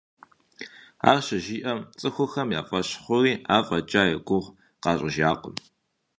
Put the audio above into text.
Ар щыжиӀэм, цӀыхухэм я фӀэщ хъури, афӀэкӀа и гугъу къащӀыжакъым.